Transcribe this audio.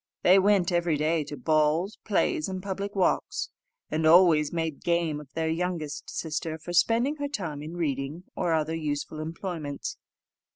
They went every day to balls, plays, and public walks, and always made game of their youngest sister for spending her time in reading or other useful employments.